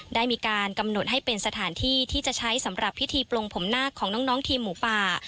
ได้มีการกำหนดให้เป็นสถานที่ที่จะใช้สำหรับพิธีปลงผมนาคของน้องทีมหมูป่า